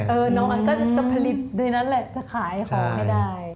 น้องอันก็จะผลิตโดยนั้นแหละจะขายของให้ได้